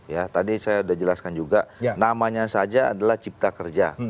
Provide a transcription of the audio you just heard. ya tadi saya sudah jelaskan juga namanya saja adalah cipta kerja